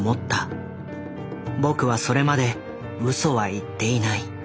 ぼくはそれまでウソは言っていない。